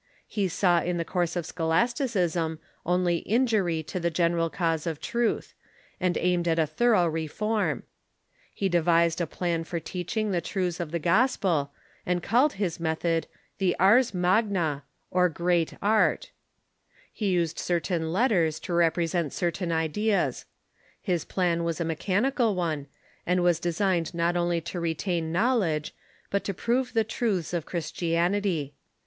He saw in the course of scholasticism only iniurv to the general cause of truth, Lully . J J J t> ' and aimed at a thorough reform. He devised a plan for teaching the truths of the gospel, and called his method the 180 THE MEDIAEVAL CHURCH ars magna, or great art. He used certain letters to represent certain ideas. His plan was a mechanical one, and was de signed not only to retain knowledge, but to prove the truths of Christianity.